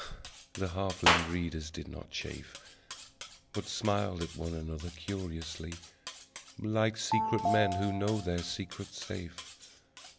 The half limbed readers did not chafe But smiled at one another curiously Like secret men who know their secret safe.